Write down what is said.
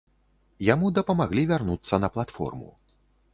Яму дапамаглі вярнуцца на платформу.